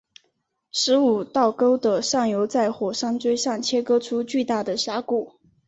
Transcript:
十五道沟的上游在火山锥上切割出巨大的峡谷。